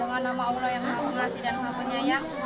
dengan nama allah yang mahu mengasih dan mengamunnya yang